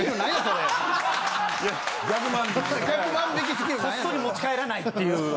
こっそり持ち帰らないっていう。